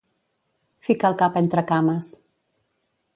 Ficar el cap entre cames.